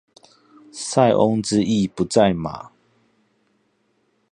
塞翁之意不在馬